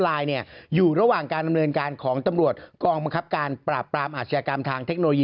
ลายอยู่ระหว่างการดำเนินการของตำรวจกองบังคับการปราบปรามอาชญากรรมทางเทคโนโลยี